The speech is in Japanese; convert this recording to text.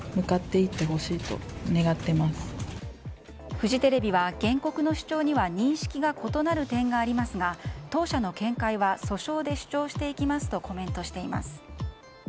フジテレビは原告の主張には認識が異なる点がありますが当社の見解は訴訟で主張していきますとコメントしています。